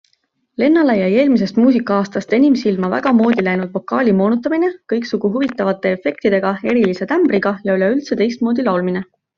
Lennale jäi eelmisest muusikaastast enim silma väga moodi läinud vokaali moonutamine, kõiksugu huvitavate efektidega, erilise tämbriga ja üleüldse teistmoodi laulmine.